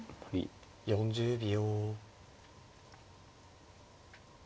４０秒。